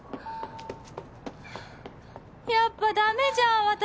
やっぱダメじゃん私！